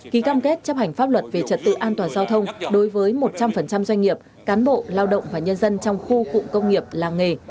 ký cam kết chấp hành pháp luật về trật tự an toàn giao thông đối với một trăm linh doanh nghiệp cán bộ lao động và nhân dân trong khu cụm công nghiệp làng nghề